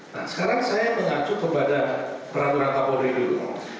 nah sekarang saya mengacu kepada peraturan kapolri dulu